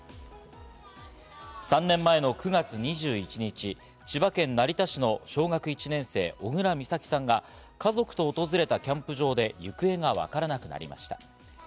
３年前の９月２１日、千葉県成田市の小学１年生・小倉美咲さんが家族と訪れたキャンプ場で行方が分からなくなりました。